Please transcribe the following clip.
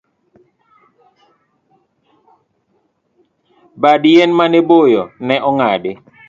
Bad yien mane boyo ne ong'adi